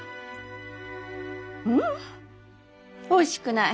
ううんおいしくない。